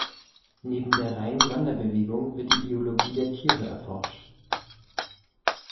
Neben der reinen Wanderbewegung wird die Biologie der Tiere erforscht.